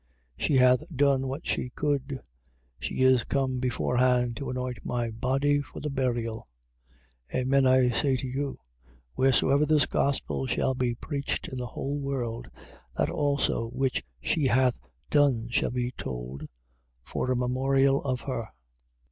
14:8. She hath done what she could: she is come beforehand to anoint my body for the burial. 14:9. Amen, I say to you, wheresoever this gospel shall be preached in the whole world, that also which she hath done shall be told for a memorial of her.